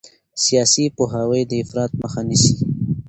سیاسي پوهاوی د افراط مخه نیسي